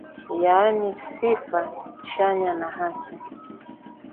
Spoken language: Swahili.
yaani sifa chanya na hasi